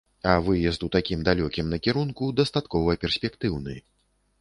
А выезд ў такім далёкім накірунку дастаткова перспектыўны.